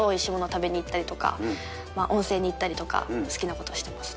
食べに行ったりとか、温泉に行ったりとか、好きなことをしてますね。